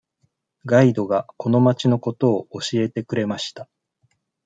ガイドがこの町のことを教えてくれました。